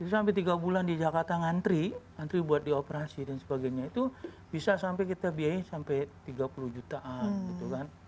sampai tiga bulan di jakarta ngantri ngantri buat dioperasi dan sebagainya itu bisa sampai kita biayain sampai tiga puluh jutaan gitu kan